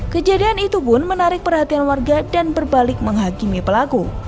kejadian itu pun menarik perhatian warga dan berbalik menghakimi pelaku